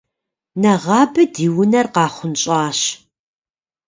Нэгъабэ ди унэр къахъунщӏащ.